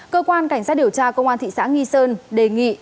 cơ quan cảnh sát điều tra công an thị xã nghi sơn đề nghị